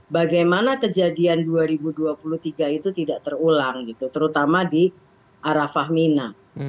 bagaimana kejadian dua ribu dua puluh tiga itu tidak terulang gitu terutama di arafah mina